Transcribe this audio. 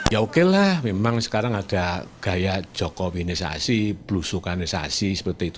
ya oke lah memang sekarang ada gaya jokowi nisasi belusukan nisasi seperti itu